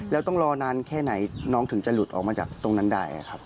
แล้วต้องรอนานแค่ไหนน้องถึงจะหลุดออกมาจากตรงนั้นได้ครับ